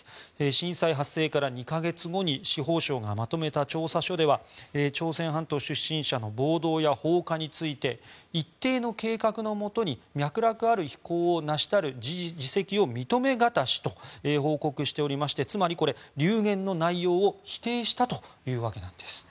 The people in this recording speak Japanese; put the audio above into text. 震災発生から２か月後に司法省がまとめた調査書では朝鮮半島出身者の暴動や放火について一定の計画のもとに脈絡ある非行をなしたる事跡を認めがたしと報告しておりましてつまり、流言の内容を否定したというわけなんです。